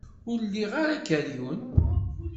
Ur liɣ ara akeryun.